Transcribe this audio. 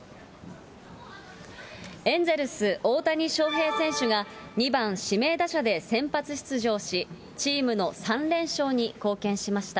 エンゼルス、大谷翔平選手が２番指名打者で先発出場し、チームの３連勝に貢献しました。